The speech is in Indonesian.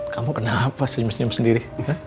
kamu kenapa senyum senyum sendiri